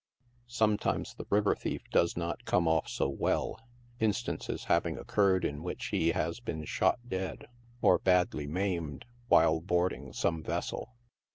Sometimes the river thief does not come ofF so well, instances having occurred in which he has been shot dead, or badly maimed, while boarding some vessel.